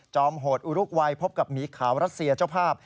โหดอุรุกวัยพบกับหมีขาวรัสเซียเจ้าภาพ